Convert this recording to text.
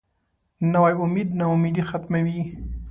نوی امید نا امیدي ختموي